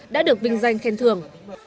đã được vinh danh khen thưởng